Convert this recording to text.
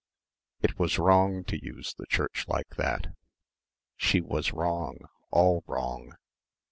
It was wrong to use church like that. She was wrong all wrong.